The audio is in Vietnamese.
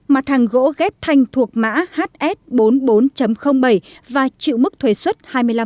mặt hàng gỗ ghép thanh thuộc mã hs bốn mươi bốn bảy và chịu mức thuế xuất hai mươi năm